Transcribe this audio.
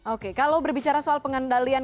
oke kalau berbicara soal pengendalian